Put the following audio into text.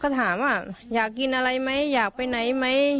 ก็ถามว่าอยากกินอะไรไหมอยากไปไหนไหม